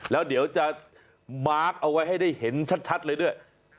แล้วเดี๋ยวจะมาร์คเอาไว้ให้ได้เห็นชัดเลยด้วย